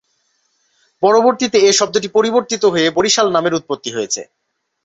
পরবর্তিতে এ শব্দটি পরিবর্তিত হয়ে বরিশাল নামের উৎপত্তি হয়েছে।